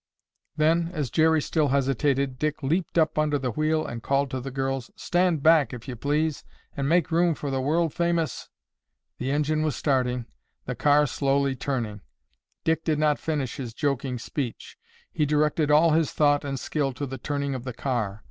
Then, as Jerry still hesitated, Dick leaped up under the wheel and called to the girls: "Stand back, if you please, and make room for the world famous—" the engine was starting, the car slowly turning. Dick did not finish his joking speech. He directed all his thought and skill to the turning of the car.